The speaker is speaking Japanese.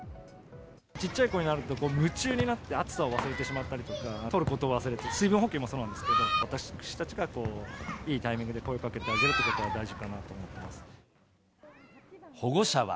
小っちゃい子になると、夢中になって、暑さを忘れてしまったりとか、取ることを忘れて、水分補給もそうなんですけど、私たちからいいタイミングで声をかけてあげるということが大事か保護者は。